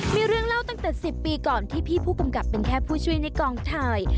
มีเรื่องเล่าตั้งแต่๑๐ปีก่อนที่พี่ผู้กำกับเป็นแค่ผู้ช่วยในกองถ่าย